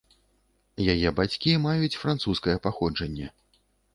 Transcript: Яе бацькі маюць французскае паходжанне.